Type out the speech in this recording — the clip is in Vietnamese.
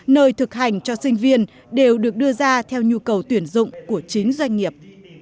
nơi thực hành cho sinh viên đều được đưa ra theo nhu cầu tuyển dụng của chính doanh nghiệp